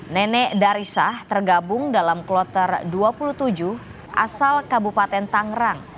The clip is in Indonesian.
nenek darisah tergabung dalam kloter dua puluh tujuh asal kabupaten tangerang